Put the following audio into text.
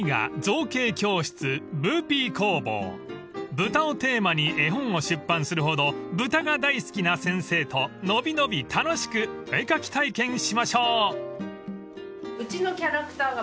［豚をテーマに絵本を出版するほど豚が大好きな先生と伸び伸び楽しくお絵描き体験しましょう］